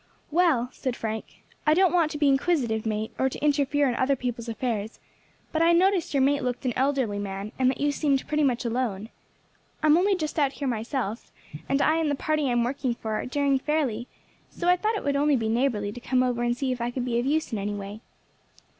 "Well," said Frank, "I don't want to be inquisitive, mate, or to interfere in other people's affairs, but I noticed your mate looked an elderly man, and that you seemed pretty much alone. I am only just out here myself, and I and the party I am working with are doing fairly; so I thought it would be only neighbourly to come over and see if I could be of use in any way."